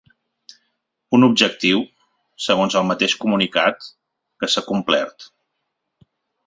Un objectiu, segons el mateix comunicat, que s’ha complert.